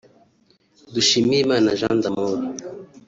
Dushimirimana Jean d’Amour